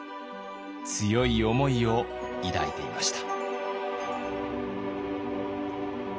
強い思いを抱いていました。